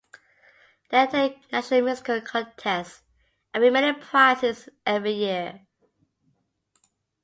They attend national musical contests and win many prizes every year.